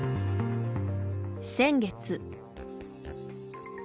先月。